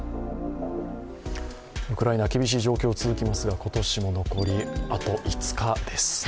ウクライナでは厳しい状況が続きますが、今年も残りあと５日です。